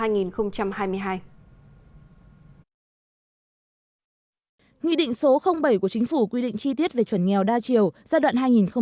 nghị định số bảy của chính phủ quy định chi tiết về chuẩn nghèo đa chiều giai đoạn hai nghìn hai mươi một hai nghìn hai mươi năm